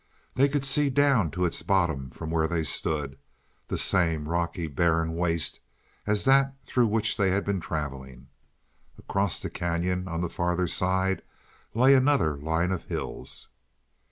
They could see down to its bottom from where they stood the same rocky, barren waste as that through which they had been traveling. Across the cañon, on the farther side, lay another line of hills.